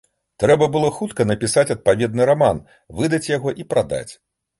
Трэба было хутка напісаць адпаведны раман, выдаць яго і прадаць.